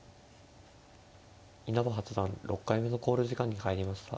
稲葉八段６回目の考慮時間に入りました。